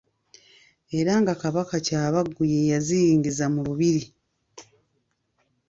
Era nga Kabaka Kyabaggu ye yaziyingiza mu lubiri.